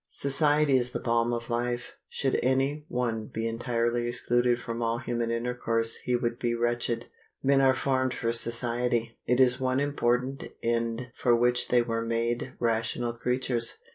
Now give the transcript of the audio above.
Society is the balm of life. Should any one be entirely excluded from all human intercourse he would be wretched. Men were formed for society. It is one important end for which they were made rational creatures.